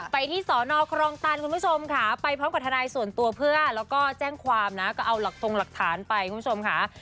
ไปที่สอนอครองตันคุณผู้ชมค่ะไปพร้อมกับทนายส่วนตัวเพื่อแล้วก็แจ้งความนะก็เอาหลักทรงหลักฐานไปคุณผู้ชมค่ะ